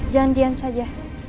jangan diam saja